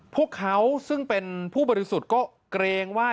พวกเขาซึ่งเป็นผู้บริสุทธิ์ก็เกรงว่า